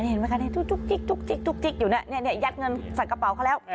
เห็นไหมคะจุ๊กจิ๊กจุ๊กจิ๊กจุ๊กจิ๊กอยู่นี่นี่นี่ยัดเงินใส่กระเป๋าเขาแล้ว